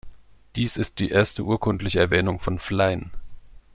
Dies ist die erste urkundliche Erwähnung von Flein.